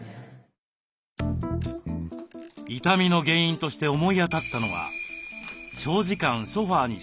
痛みの原因として思い当たったのは長時間ソファーに座っていたことでした。